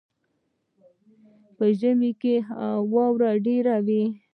په ژمي کې واوره ډیره وي.